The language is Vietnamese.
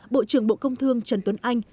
bộ trưởng bộ công thương trần tuấn anh